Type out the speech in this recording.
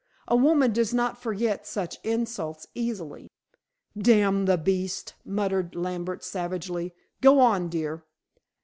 A woman does not forget such insults easily." "Damn the beast!" muttered Lambert savagely. "Go on, dear."